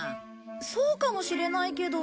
そうかもしれないけど。